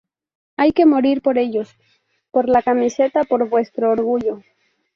Hay que morir por ellos, por la camiseta, por vuestro orgullo.